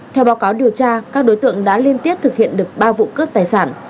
theo báo cáo điều tra các đối tượng đã liên tiếp thực hiện được ba vụ cướp tài sản